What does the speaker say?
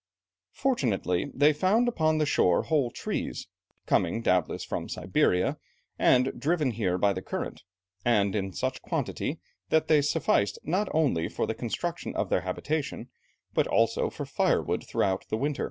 Fortunately, they found upon the shore whole trees, coming doubtless from Siberia, and driven here by the current, and in such quantity that they sufficed not only for the construction of their habitation, but also for firewood throughout the winter.